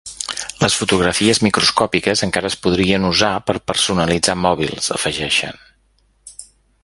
Les fotografies microscòpiques encara es podrien usar per personalitzar mòbils, afegeixen.